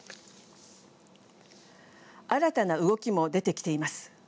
新たな動きも出てきています。